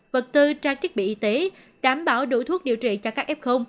vật tư trang thiết bị y tế đảm bảo đủ thuốc điều trị cho các f